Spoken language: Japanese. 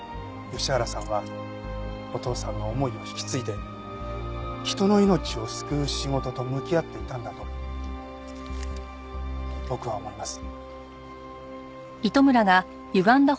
吉原さんはお父さんの思いも引き継いで人の命を救う仕事と向き合っていたんだと僕は思います。